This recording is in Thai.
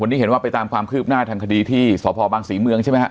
วันนี้เห็นว่าไปตามความคืบหน้าทางคดีที่สพบังศรีเมืองใช่ไหมฮะ